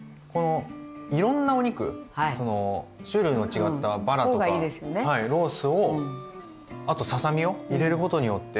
いろんなお肉種類の違ったバラとかロースをあとささ身を入れることによって。